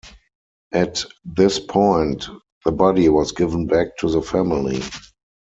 At this point, the body was given back to the family.